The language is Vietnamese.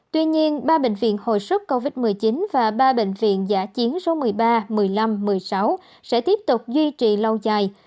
tuy nhiên ba bệnh viện hồi sức covid một mươi chín và ba bệnh viện giả chiến số một mươi ba một mươi năm một mươi sáu sẽ tiếp tục duy trì lâu dài